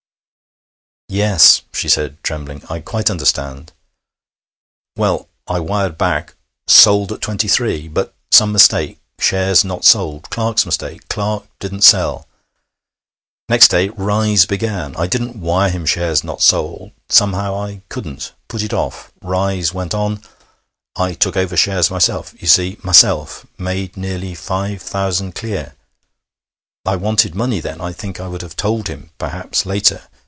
'Yes,' she said, trembling. 'I quite understand.' 'Well ... I wired back, "Sold at 23." ... But some mistake. Shares not sold. Clerk's mistake.... Clerk didn't sell.... Next day rise began.... I didn't wire him shares not sold. Somehow, I couldn't.... Put it off.... Rise went on.... I took over shares myself ... you see myself.... Made nearly five thousand clear.... I wanted money then.... I think I would have told him, perhaps, later